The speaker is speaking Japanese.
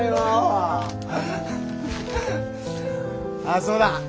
あっそうだ。